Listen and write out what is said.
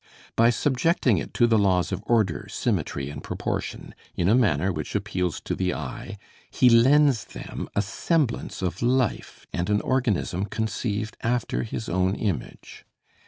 By subjecting it to the laws of order, symmetry, and proportion, in a manner which appeals to the eye, he lends them a semblance of life and an organism conceived after his own image.